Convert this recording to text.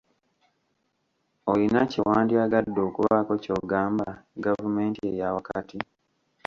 Oyina kye wandyagadde okubaako ky'ogamba gavumenti eyawakati?